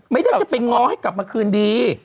ไม่ได้จะไปง้อให้กลับมาคืนดี